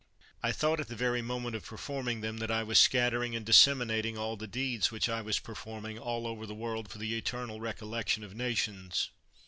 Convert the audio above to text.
I thought, at the very moment of performing them, that I was scattering and disseminating all the deeds which I was performing, all over the world for the eternal recollection of nations.